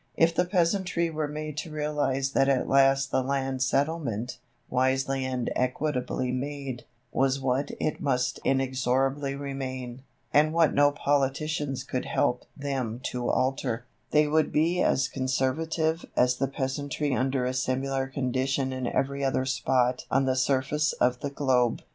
If the peasantry were made to realize that at last the land settlement, wisely and equitably made, was what it must inexorably remain, and what no politicians could help them to alter, they would be as conservative as the peasantry under a similar condition in every other spot on the surface of the globe.